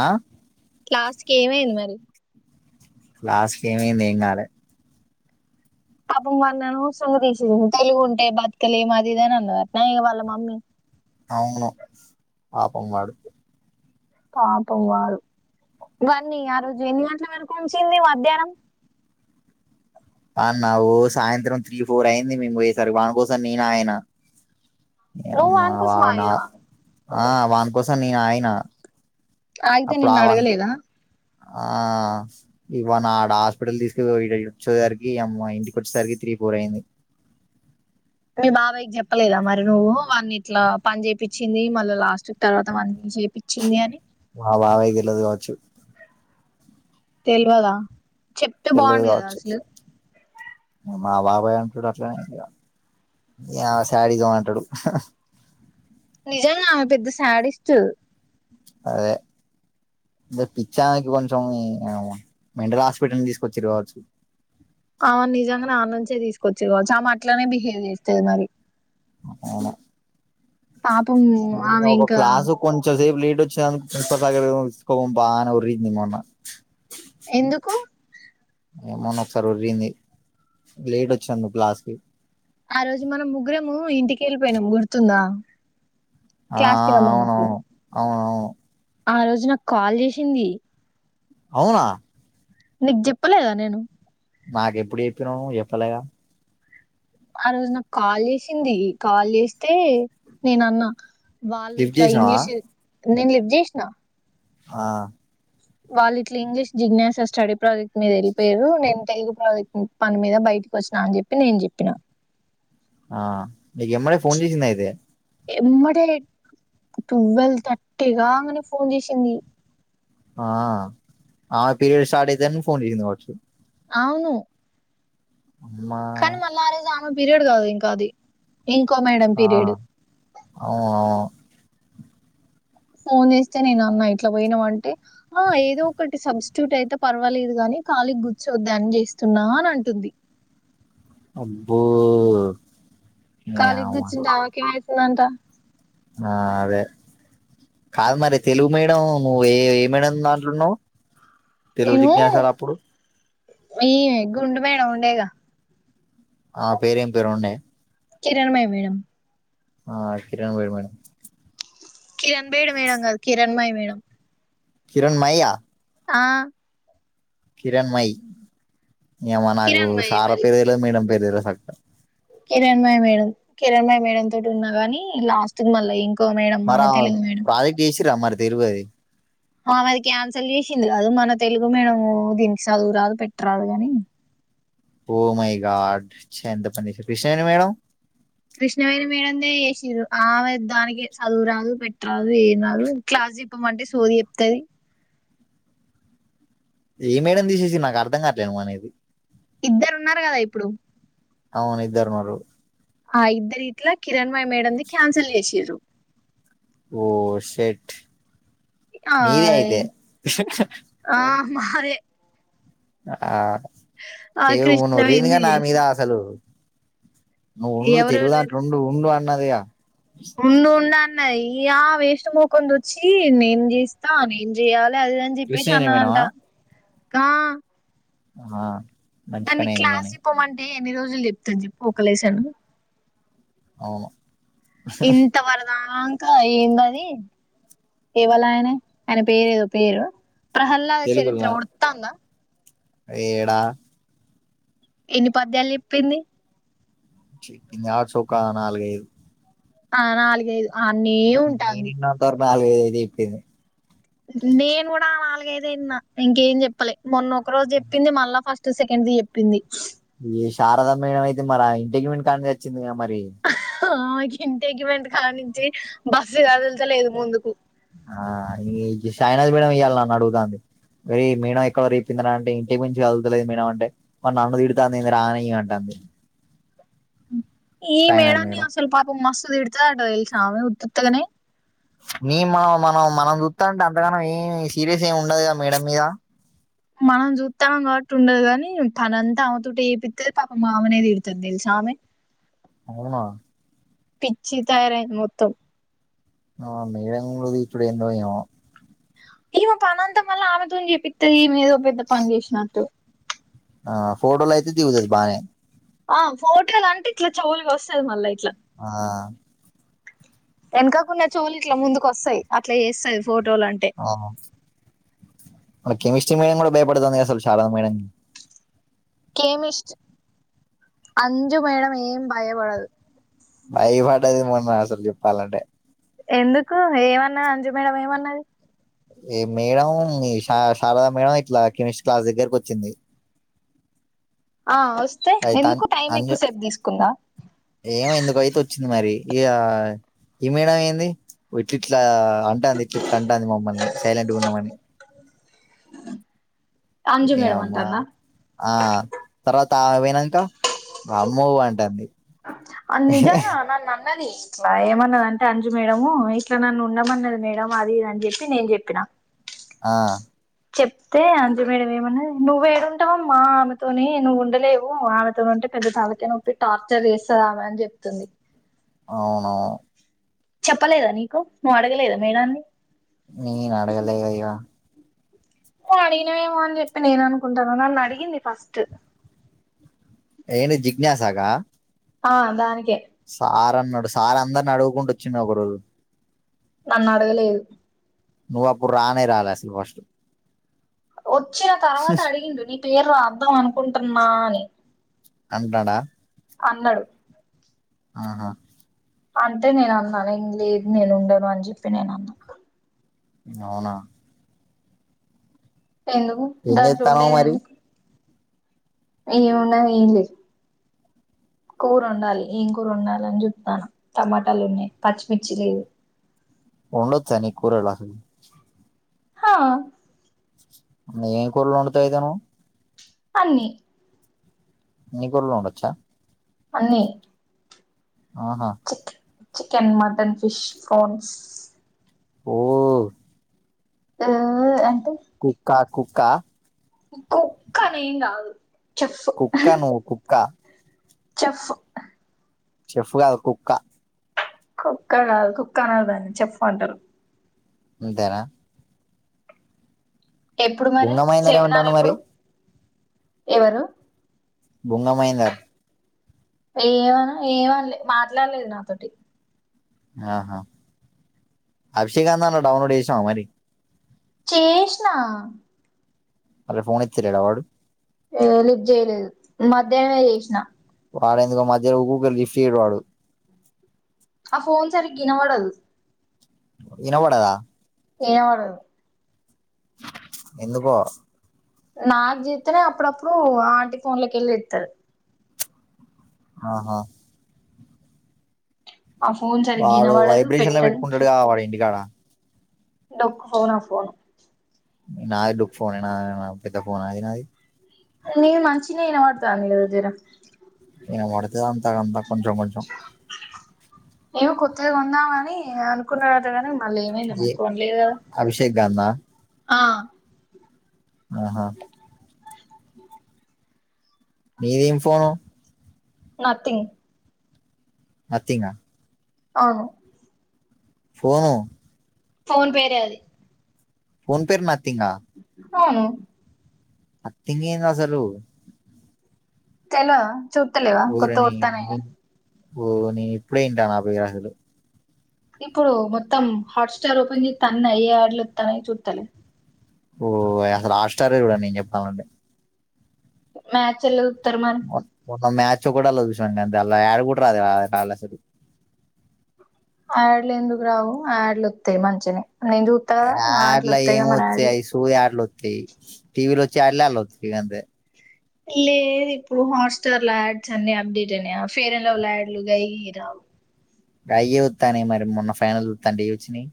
ఆ క్లాసి కేమ అ మరి లాస్ట్ గేమే నేంగాల పాపం వారి నేను అవసరంగా తీసేసింది తెలుగు ఉంటే బతుకలే ఏ మాది ఇది అని అన్నారు నా ఇ వాళ్ళ మమ్మీ అవును పాపం వాడు పాపం వారు కావన్నీ ఆ రోజు ఎన్ని గట్ల వరకు ఉంచింది మధ్యాహ్నం అన్నా సాయంత్రం త్రీ ఫోర్ అయింది మేము వసారు వాని కోసం నేనా ఆయన నువ్వు అమా వాని కోసం వాన ఆగినవా ఆ వానికోసం స నేను ఆయన ఆయితే అప్పుడు నిన్న ఆ వాని అడగలి ఇద ఆ ఇవా నా ఆడ హాస్పిటల్ తీసుకు [unintelligible] వచ్చేసరికి అమ్మో ఇంటికి వచ్చేసరికి త్రీ ఫోర్ అయింది మీ బాబాయ్ కి చెప్పలేదా మరి నువ్వు వాన్ని ఇట్లా పని చేపించింది మళ్ళీ లాస్ట్ తర్వాత వా మా మావయ్యకి తెలవదు గవచు తెలవద చెప్తే తెలవదు బాగుండు కదా కావచ్చు అసలు మా బబాయ్ అంటాడు అట్లనే శాడీగా ఉంటాడు నిజం ఆమె పెద్ద శడి ఇస్త అదే అే పిచ్చానికి కొంచెం మెంటల్ హాస్పిటల్ని తీసుకొచ్చి కావచ్చు ఆ నిజంగా నాన్న నుంచే తీసుకొచ్చేది కావచ్చు ఆమె అట్లనే బిహేవ్ చేస్తేది మరి అవును పాపం ఆమె ఇంకా ఇప్పుడు వచ్చాను ప్రిన్సిపల్ [unintelligible] బానే ఊరింది మౌన ఎందుకు ఏమనా ఒకసారి ఊరింది లేట్ వచనందుకు క్లాస్ ఆ రోజు మనం ముగ్గురము ఇంటికి వెళ్ళిపోయినాం గుర్తుందా ఆ క్లాస్ కి రమ్మన్నప్పుడు అవునువును అవునవును ఆ రోజు నాకు కాల్ చేసింది అవునా నీకు చెప్పలేదా నేను నాకు ఎప్పుడూ చెపినవ్ చేపలెగా ఆ రోజు నాకు కాల్ వేసింది కాల్ చేస్తే నేను అన్నా వాళ్ళు లిఫ్ట్ ఇట్లా చేసినావా ఇంగ్లీష్ నేను లిఫ్ చేసిన ఆ వాళ్ళు ఇట్లా ఇంగ్లీష్ జిజ్ఞాసా స్టడీ ప్రాజెక్ట్ మీద వెళ్ళిపోయారు నేను తెలుగు ప్రాజెక్ట్ పని మీద బయటకి వచ్చినా అని చెప్పి నేను చెప్పిన ఆ నీకు ఎమ్మడే ఫోన్ చేసింది అయితే ఎమ్డ ట్వల్ తర్టిగా అనే ఫోన్ చేసింది ఆ ఆ పీయడ్ స్టార్ట్ అ ఫోన్ చేసిాప్ అవును మా పిర్యాడ్ కావాలి ఇంకా అది ఇంకో మేడం ఆ పీరియడ్ అవునా ఫోన్ చేస్తే నేను అన్నా ఇట్లా పోయినా అంటే ఆ ఏదో ఒకటి సబ్స్ట్యూట్ అయితే పర్వాలేదు గాని ఖాలీకి గుర్చోద్ద్ద అని చేస్తున్నా అని అంటుంది అబ్బో నీ యవ్వ కాలీగుర్చుంటే ఆమెకే మై యి దం టా ఆ అదే కాదు మరి తెలుగు మీడియం నువ్వు ఏ ఇమిడియమ్ దాంట్లోన్నావు తెలుగు జిజ్ఞ సార్ అప్పుడు మీ గుండు మేడం ఉండేగా ఆ పేరేం పేరు ఉండే కిరణమయి మేడం ఆ కిరణ్మయ మేడం కిరణ్ బేడు మేడం కాదు కిరణ్ మయ్ మేడం కిరణ్ మయ్ ఆ ఆ కిరణ్ మై ఏమో నాకు కిరణ్మయే సారా పేర్లు తేలేదు madam [inaudible] Kiran మయ్ madam Kiran మయ్ madam తోటి ఉన్నా కాని లాస్ట్ కి మళ్ళా ఇం మరా ప్రాజెక్ట్ ఏస్ రా మరీ తెరువది ఆమెది క్యాన్సల్ చేసింది కాదు మన తెలుగు మేడము దీనికి చదువురాదు పెట్టరాదు కాని ఓ మై గాడ్ చ్చ ఎంత పని కృష్ణేని మేడం కృష్ణవేనీ మేడందే వేసిండారూ ఆమే దానికి చదువురాదు పెట్టరాదు ఏం రాదు క్లాస్ చెప్పమంటే సోది చెప్తుది ఏ మేడం తీసేసిన్ నాకు అర్థం కాట్లేనువ్ అనేది ఇద్దరు ఉన్నారు కదా ఇప్పుడు అవునుఇద్దరు ఉన్నారు ఆ ఇద్దరు ఇట్లా కిరణ్ మయ్ మేడం ది క్యాన్సిల్ చేసిండ్రు ఓ సెట్ ఆ ఆ మాదే ఆ ఆ ఏఓ కృష్ణవేణిది రైనా నా మీద చేసిర్రు అశలు నువ్ ఉండు తెలుగుదంట్లో ఎవరెవరు ఉండు ఉండు అనీ ఉన్నదిగా ఉండు ఉండు అన్నది ఇయా వేస్ట్ మోకంది వచ్చి నేన్ చేస్తా నేన్ చెయ్యాల్ అదిఇది అన్ జె ప్పేసి కృష్ణవేణి మేడమా అన్నదంటా ఆ ఆ మంచి దాన్ని పని అయింది క్లాస్ కానీ పోమంటే ఎన్ని రోజులు చెప్తా చె పోకలేశాను అవును ఇంత వరదా ఏంద అది ఇవళ ఆయన ఆయన పేరు ఏదో పేరు ప్రహ్లాద చరిత్ర తెలుగులా ఉడతా అంద ఏడా ఎన్ని పద్యాలు చెప్పింది ఆ చౌకా నాలుగదు ఆ నాలుగ ఐదు అన్నీ ఉంటాంది నాలుగుగేపోయింది నేను కూడా నాలుగైద అయినా ఇంకేం చెప్పాలి మొన్న ఒక రోజు చెప్పింది మళ్ళా ఫస్ట్ సెకండ్ చెప్పింది ఈ శారద మేడం అయితే మరి ఇంటికి మ కాని తెచ్చింది మరి ఆ ఇంటి ఎకి వెంట కానించి బస్సు కదులుతలేదు ముందుకు ఆ సాయినాథ్ మేడం ఇయ్యాలి నన్ను అడుగుతుంది మరి మేనం ఎక్కడ రేపింది అంటే ఇంటికి మించగా కదుతలేదు మీేనం అంటే మరి నన్ను తిడుతాందింది రానియ అంటంది ఈ మేడని మేడం స్వల్ప మస్ద్ ఇడతాంట ఇల్ స ఉ ఎగనే మే మనం మనం చూస్తా అంటే అంతగానో ఏమి సీరియస్ ఏమి ఉండదుగా మేడం మీద మనం చూస్తడం కాబట్టి ఉండదు కాని తనంతా అమ్తుట చేపిస్త పాప మామనేది తిడుతుంది తెలుసు ఆమె అవునా పిచ్చి తార మొత్తం ఆ మీలంగూ వప్పుడ ఎంత వ ఈమ పనంతా మళ్ళ ఆమెతోని చేపిస్తది ఏదో పెద్ద పని చేసినట్టు ఆ ఫోడో యితే దవుజ బానే ఆ ఫోటలు అంటే ఇట్లా చెవులుగా వస్తుది మళ్ళా ఇట్లా ఆ వెనకాకుడా చోలు ఇట్లా ముందుకు వస్తాయి అట్లా చేస్తాయి ఫోటోలు అంటే ఆ. కెమిస్ట్రీ మీడియం కూడా భయపడుతుంది శాలా మ మీడియం కేమి అంజు మేడం ఏం భయ వాడదు బయ పడదిమన్నా అసలు చెప్పాలంటే ఎందుకు ఏమన్న అంజు మేడం ఏమన్నది ఏ మేడం ఈ శారదా మేడం ఇట్లా కెమిస్ట్రీ క్లాస్ దగ్గరకి వచ్చింది ఆ వస్తే అయితే ఎందుకు అన్- టైం అంజు ఎక్కువసేపు తీసుకుందా ఏమో ఎందుకుతే వచ్చింది మరి ఇ ఈ మేడ ఏంది ఇట్ట్ అంటే అంది ఇ చిరెంట అంది మమ్మల్ని సైలంట్ ఉన్నమని అజ మేడంమంటాందా ఆ తర్వాత ఆమె పోయినాక బ మూ అంటుంది అ నిజంగా నన్ను అన్నది. ఇట్లా ఏమన్నది అంటే అంజు మేడము ఇట్లా నన్ను ఉండమన్నది మేడం అది ఇది ఆని జెప్పి నేను చెప్పిన ఆ చెప్తే అంజు మేడం ఏమన్నాది. నువ్వు ఏడుంటావు ఆమ్మ ఆమెతోని నువ్వు ఉండలేవు ఆమెతోనీ ఉంటే పెద్ద తలకాయ నొప్పి టార్చర్ చేస్తాది ఆమె అని చెప్తుంది. అవును చెప్పలేదా నీకు నువ్వు అడగలేదా మేడన్ని నేను అడగలేగా ఇగా [unintelligible] అడిగినవేమో అని చెప్పి నేను అనుకుంటాన్న నన్ను అడిగింది ఫస్ట్ ఏ నీ జిజ్ఞాసగా ఆ దానికే సార్ అన్నాడు. సార్ అందరిని అడుగుకుంటూ వోచ్చిండు. ఒక రోజు నన్న అడుగలేదు నువ్వు అప్పుడు రానే రాలే అసలు ఫస్ట్ వోచ్చిన తర్వాత అడిగిండు. నీ పేరు రాద్దాం అనుకుంటున్నా అని అంటండా అన్నాడు ఆహా అంటే నేను అన్నా నేను లేను నేను ఉండను అని చెప్పి నేను అన్నా హ్ అవునా ఎందుకు ఏం దాంట్ల చేత్తన్నావ్ ఉండేది మరి ఎందుకు ఏమున్నాది. ఏం లేదు కూర ఉండాలి. ఏం కూర వండాలని జుత్తన్న టమాటాలు ఉన్నాయి. పచ్చిమిర్చి లేదు. వండొచ్చా నికు కూరలు అసలు హా ఏం కూరలు వండుతావు అయితే నువ్వు అన్నీ అన్ని కూరలు వండొచ్చా అన్నీ ఆహా చికెన్ మటన్ ఫిష్ ఫ్రాన్స్ ఓ ఓ అం కుక్క కుక్క కు క్క అని ఏం గాదు. కుక్కా నువ్వు కుక్క చెఫ్ చెఫ్ కాదు కుక్క కుక్క కాదు కుక్క అనరు దాన్ని చెఫ్ అంటారు. అంతేనా ఎప్పుడు మరి బుంగమహేందర్ సెమినార్ ఏమంటాండు ఎప్పుడు మరి ఎవరు బుంగ మహెందర్ ఏమనా ఏమనలే మాట్లాడలేదు నాతోటి ఆహా అభిషేకందన్న రన్లడ్ చేసా మరి చేష్ణ అ ఫోన్ ఇచ్చరడ వాడు లిప్ చేయలేదు మధ్యాహ్నమే చేసిన వాడ ఎందుకో మధ్యలో కళ లిఫ్ట్యడు వాడు ఆ ఫోన్ సరి గినపడదు ఇన పడదా ఏ వాడదు ఎందుకో నాకు జతేనే అప్పుడప్పుడు ఆంటి ఫోన్ లోకి వెళ్ళి ఇతారు ఆహా ఆ ఫోన్ సరిగ్గా వాడు ఇనబడదు వైబ్రేషన్ లో పెట్టదు పెట్టుకుంటాడు కా వాడు ఇంటికాడ డొక్కు ఫోనా ఫోన్ నాది డొక్కు ఫోనే నా ఏవన పెద్ద ఫోనాయినాది నవ మంచినే ఏనమాతా నదీర ఏ వాడతద అంతా అంత కొంచం కొంచం ఏమో కొత్తది కొందామని అనుకున్నదటగాని అళ్ళ ఏమైంది మరి కొనలేదు గా గన్నా ఆ ఆహా మీదేం ఫోను నథింగ్ నత్తీంగా అవును ఫోను ఫోన్ పేరే అది ఫోన్ పేరు నా థింగా అవును నత్తింగేందసలు తెల్వదా చూత్తలేవా కొత్తగా ఊరని వత్తనాయని ఓ నేను ఇప్పుడే ఇంటా భై గసులు ఇప్పుడు మొత్తం హాట్స్టార్ ఓపెన్ తన్న అయ్యే ఆడ్లు ఇస్తాన చూస్తాల ఓ అసలు హాట్టారే చూడండి నేను చెప్తామండి మ్యాచ్లు మ్యాచ్ కూడాల అంత ఎలా ఆడుకుట్ర అది కళ సరి యాడ్లు ఎందుకు రావు ఆయాడ్లు వస్తాయి మంచిన ఆడ్ల ఏమొత్తయో యాడ్లు అవి సోది యాడ్లు వస్తాయి టీవీలో చల్లాలోచ్చ కంతే లేదు ఇప్పుడు హాట్స్టార్ ల్యాడ్స్ అన్ని అప్డేట్ అయినాయా ఫేర్ అండ్ లవ్ ల్యాడ్లు గై హరావు అయ్య ఉతా మరి మొన్న ఫైనల్ ఉత్తా న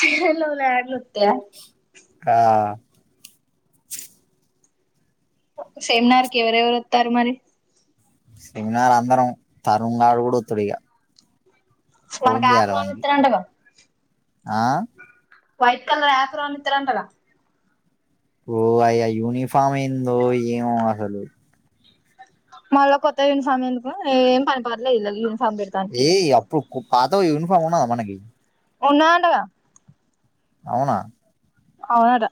ఫేర్ అండ్ లవ్లీ యాడ్లు వత్తాయా ఆ సెమినార్ కి ఎవరెవరు వస్తారు మరి సెమినార్ అందరం తరుణ్ గాడు కూడా ఒత్తుడిగా మనకు ఆప్రాన్ లు ఇస్తర అంట బా ఆ వైట్ కలర్ ఆఫ్రాన్ ఇతర అంటార ఓ అయ్యా యూనిఫామ్ ఏందో ఏమో అసలు మళ్ళ కొత్త విన సమ ఎందుకు ఏం పనిపర్లేదు ఇ ఏ అప్పుడు పాత యూనిఫార్ ఉన్నదా మనకి ఉన్నదంటగా అవునా అవునర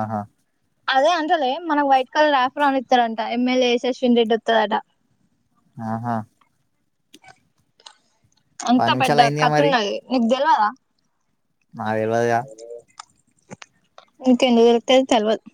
ఆహా అదే అంటలే మనకు వైట్ కలర్ యాఫ్రాన్ ఇస్తారంట ఎమ్మెల్యే అశవిన్ రెడ్డి వస్తదట ఆహా అంత పది పెద్ద నిమిషాలు అయిందిగా మరి కత్తఉన్నది నీకై తెల్ వాదా నాకు తెలవదు గా నీకెందుకు తెలుస్తది తెల్వదు